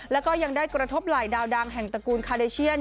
แล้วก็ยังได้กระทบไหล่ดาวดังแห่งตระกูลคาเดเชียน